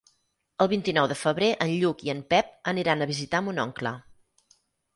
El vint-i-nou de febrer en Lluc i en Pep aniran a visitar mon oncle.